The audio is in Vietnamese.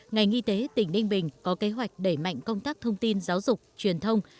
ngành y tế tỉnh ninh bình có kế hoạch đẩy mạnh công tác thông tin giáo dục truyền thông